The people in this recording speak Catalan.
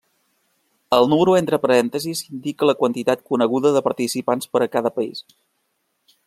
El número entre parèntesis indica la quantitat coneguda de participants per a cada país.